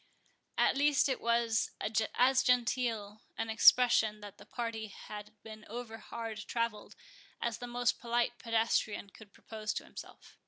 At least it was as genteel an expression that the party had been overhard travelled, as the most polite pedestrian could propose to himself.